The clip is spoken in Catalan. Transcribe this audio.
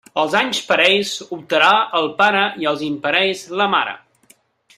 Els anys parells optarà el pare i els imparells la mare.